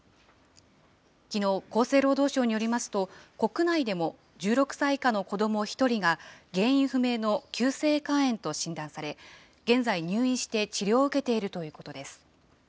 きのう、厚生労働省によりますと、国内でも１６歳以下の子ども１人が、原因不明の急性肝炎と診断され、現在、入院して治療を受けているということです。